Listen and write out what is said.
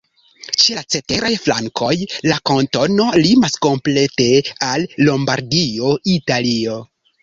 Ĉe la ceteraj flankoj la kantono limas komplete al Lombardio, Italio.